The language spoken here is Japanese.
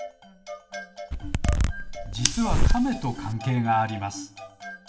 じつはカメとかんけいがあります。